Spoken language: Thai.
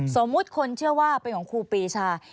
สมมุติคนเชื่อว่าเป็นของครูปีชา